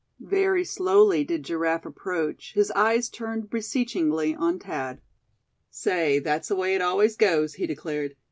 Very slowly did Giraffe approach, his eyes turned beseechingly on Thad. "Say, that's the way it always goes," he declared.